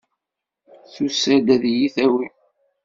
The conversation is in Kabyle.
Tusa-d ad yi-tawi.